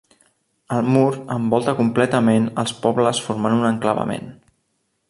El mur envolta completament els pobles formant un enclavament.